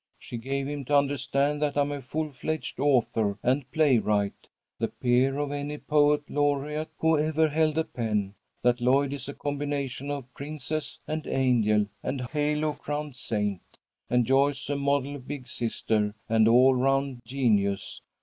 She gave him to understand that I am a full fledged author and playwright, the peer of any poet laureate who ever held a pen; that Lloyd is a combination of princess and angel and halo crowned saint, and Joyce a model big sister and an all round genius.